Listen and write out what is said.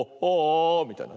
みたいな。